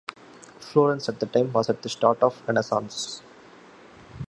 Florence at that time was at the start of the Renaissance.